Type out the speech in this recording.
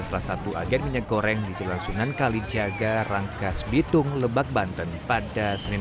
salah satu agen minyak goreng di jalan sunan kalijaga rangkas bitung lebak banten pada senin